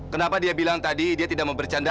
kenapa dia bilang tadi dia tidak mau bercanda